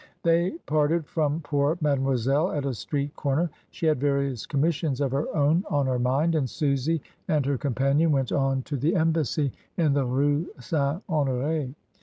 They parted from poor Mademoiselle at a street corner; she had various commissions of her own on her mind, and Susy and her companion went on to the Embassy in the Rue St. Honor^.